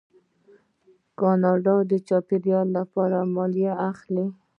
کاناډا د چاپیریال لپاره مالیه اخلي.